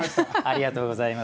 ありがとうございます。